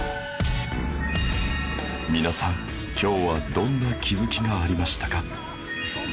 皆さん今日はどんな気づきがありましたか？